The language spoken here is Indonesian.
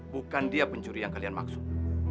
bukan dia pencuri yang kalian maksud